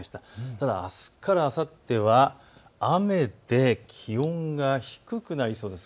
ただ、あすからあさっては雨で気温が低くなりそうです。